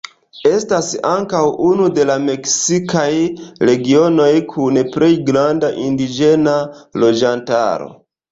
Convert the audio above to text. Estas ankaŭ unu de la meksikaj regionoj kun plej granda indiĝena loĝantaro.